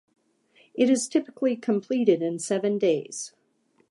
It is typically completed in seven days.